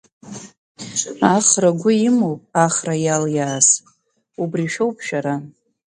Ахра агәы имоуп ахра иалиааз, убри шәоуп шәара!